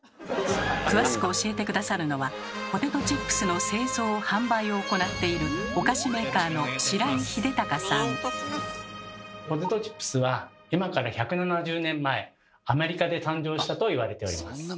詳しく教えて下さるのはポテトチップスの製造・販売を行っているお菓子メーカーのポテトチップスは今から１７０年前アメリカで誕生したと言われております。